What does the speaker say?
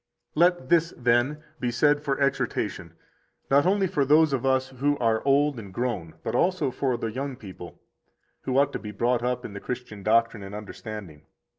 85 Let this, then, be said for exhortation, not only for those of us who are old and grown, but also for the young people, who ought to be brought up in the Christian doctrine and understanding.